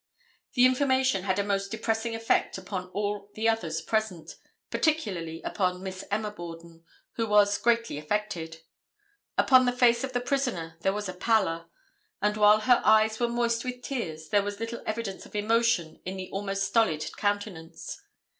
The information had a most depressing effect upon all the others present, particularly upon Miss Emma Borden, who was greatly affected. Upon the face of the prisoner there was a pallor, and while her eyes were moist with tears there was little evidence of emotion in the almost stolid countenance.